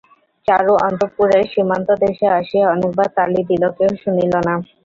চারু অন্তঃপুরের সীমান্তদেশে আসিয়া অনেকবার তালি দিল, কেহ শুনিল না।